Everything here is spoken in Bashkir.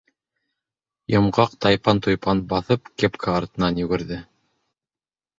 Йомғаҡ, тайпан-тойпан баҫып, кепка артынан йүгерҙе.